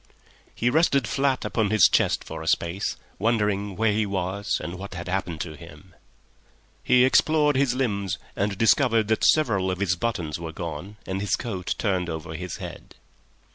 He rested flat upon his chest for a space, wondering where he was and what had happened to him. He explored his limbs, and discovered that several of his buttons were gone and his coat turned over his head.